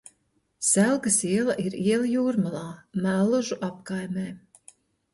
Selgas iela ir iela Jūrmalā, Mellužu apkaimē.